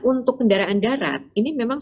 untuk kendaraan darat ini memang